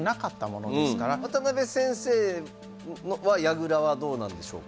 渡辺先生は矢倉はどうなんでしょうか？